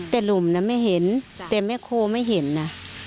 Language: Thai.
แต่หลุมน่ะไม่เห็นแต่แม่โคไม่เห็นนะ